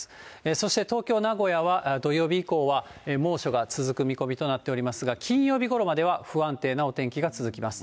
そして東京、名古屋は、土曜日以降は猛暑が続く見込みとなっておりますが、金曜日ごろまでは不安定なお天気が続きます。